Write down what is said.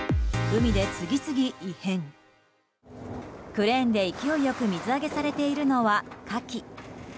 クレーンで勢いよく水揚げされているのはカキ。